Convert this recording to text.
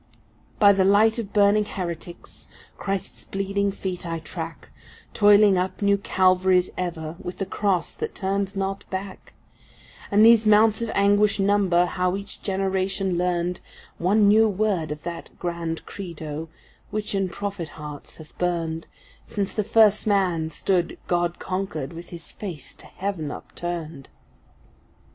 By the light of burning heretics Christ’s bleeding feet I track, Toiling up new Calvaries ever with the cross that turns not back, And these mounts of anguish number how each generation learned One new word of that grand Credo which in prophet hearts hath burned Since the first man stood God conquered with his face to heaven upturned.